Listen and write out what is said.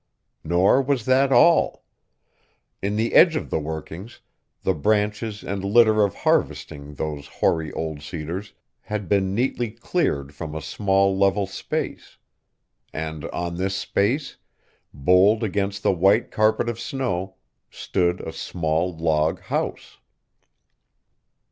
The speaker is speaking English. Nor was that all. In the edge of the workings the branches and litter of harvesting those hoary old cedars had been neatly cleared from a small level space. And on this space, bold against the white carpet of snow, stood a small log house.